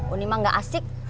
oh ini mah gak asik